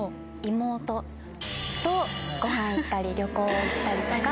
妹とごはん行ったり旅行行ったりとか。